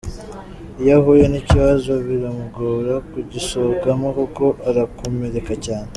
Iyo ahuye n’ikibazo biramugora kugisohokamo kuko arakomereka cyane.